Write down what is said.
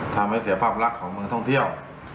ทำให้เสียภาพลักษณ์ของเมืองท่องเที่ยว